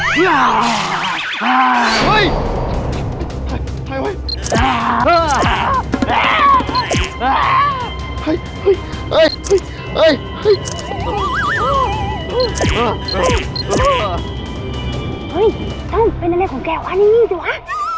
ห้องเป็นอะไรของแกวะนี่นี่สิวะ